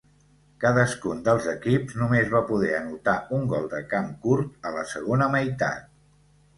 Cadascun dels equips només va poder anotar un gol de camp curt a la segona meitat.